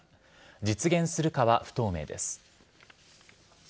実現するかは不透明です。